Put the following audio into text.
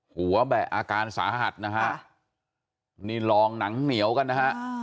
แบะอาการสาหัสนะฮะนี่ลองหนังเหนียวกันนะฮะ